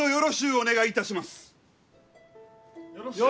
お願いいたします！